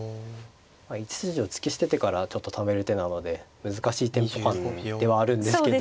まあ１筋を突き捨ててからちょっとためる手なので難しいテンポ感ではあるんですけど。